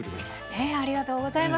ねえありがとうございます。